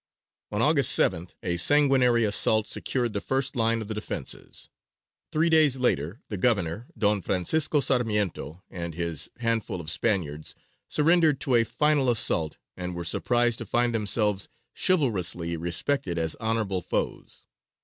On August 7th, a sanguinary assault secured the first line of the defences; three days later the governor, Don Francisco Sarmiento, and his handful of Spaniards, surrendered to a final assault, and were surprised to find themselves chivalrously respected as honourable foes.